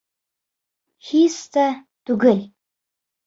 Һис тә түгел!